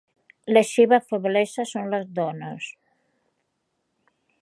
La seva feblesa són les dones.